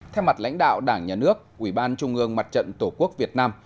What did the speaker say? theo mặt lãnh đạo đảng nhà nước ủy ban trung ương mặt trận tổ quốc việt nam